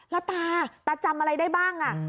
แล้วตาตาจำอะไรได้บ้าง